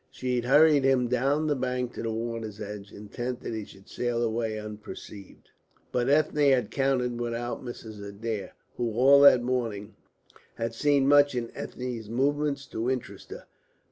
She hurried him down the bank to the water's edge, intent that he should sail away unperceived. But Ethne had counted without Mrs. Adair, who all that morning had seen much in Ethne's movements to interest her.